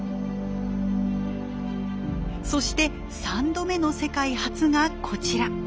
そして３度目の世界初がこちら。